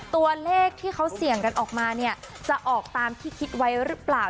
ตัวเลขที่เขาเสี่ยงกันออกมาเนี่ยจะออกตามที่คิดไว้หรือเปล่า